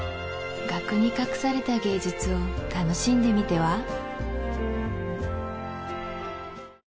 額に隠された芸術を楽しんでみては？